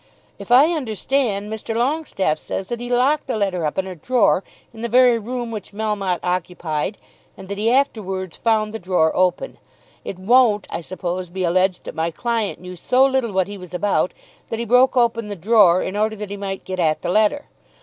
If I understand, Mr. Longestaffe says that he locked the letter up in a drawer in the very room which Melmotte occupied, and that he afterwards found the drawer open. It won't, I suppose, be alleged that my client knew so little what he was about that he broke open the drawer in order that he might get at the letter.